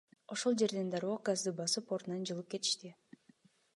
Ошол жерден дароо газды басып, ордунан жылып кетишти.